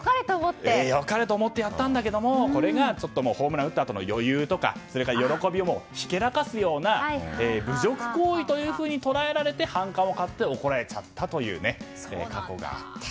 良かれと思ってやったけれどもホームラン打ったあとの余裕とかそれから喜びをひけらかすような侮辱行為と捉えられて反感を買って怒られちゃったという過去があった。